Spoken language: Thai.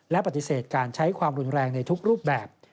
และปฏิเสธการใช้ความรุนแรงในทุกรูปแบบ